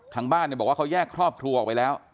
ทางบ้านบอกว่าเขาแยกครอบครัวออกไปแล้ว